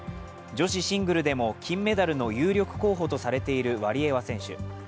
女子シングルでも金メダルの有力候補とされているワリエワ選手。